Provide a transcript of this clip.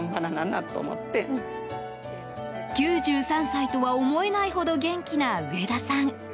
９３歳とは思えないほど元気な上田さん。